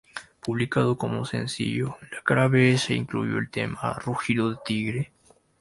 Publicado como sencillo, en la cara B se incluyó el tema "Rugido de tigre".